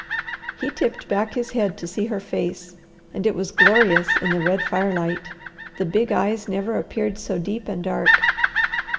He tipped back his head to see her face, and it was glorious in the red firelight; the big eyes never appeared so deep and dark.